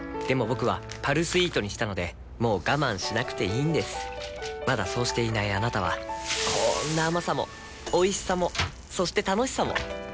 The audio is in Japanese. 僕は「パルスイート」にしたのでもう我慢しなくていいんですまだそうしていないあなたはこんな甘さもおいしさもそして楽しさもあちっ。